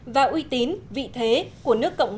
và uy tín vị thế của nước